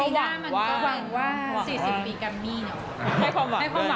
ตีหน้ามันก็หวังว่า๔๐ปีการมี่ให้ความหวังไว้ก่อน